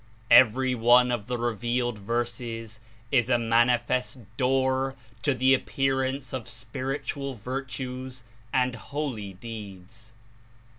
Every one of the revealed Verses is a manifest door to the appearance of spiritual virtues and holy deeds."